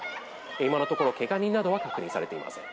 今のところ、けが人などは確認されていません。